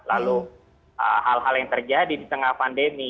lalu hal hal yang terjadi di tengah pandemi